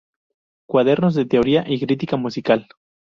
Cuadernos de teoría y crítica musical".